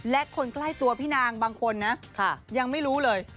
และคนใกล้ตัวพี่นางบางคนนะยังไม่รู้เลย